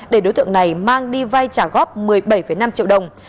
để đối tượng này mang đi vay trả góp một mươi bảy năm triệu đồng